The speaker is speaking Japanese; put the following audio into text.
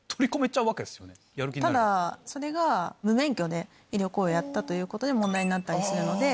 ただそれが。をやったということで問題になったりするので。